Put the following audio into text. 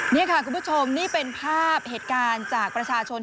นี่ค่ะคุณผู้ชมนี่เป็นภาพเหตุการณ์จากประชาชน